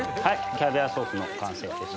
キャビアソースの完成です。